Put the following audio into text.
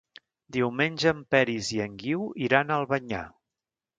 Diumenge en Peris i en Guiu iran a Albanyà.